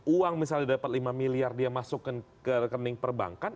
uang misalnya dapat lima miliar dia masuk ke rekening perbankan